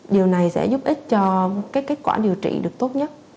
điều này sẽ giúp ích cho kết quả điều trị được tốt nhất